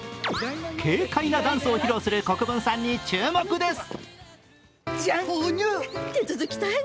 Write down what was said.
軽快なダンスを披露する国分さんに注目です。